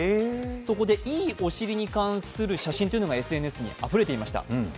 そこで、いいおしりに関する写真がＳＮＳにあふれていました。